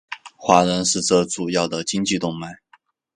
华人是这的主要经济动脉。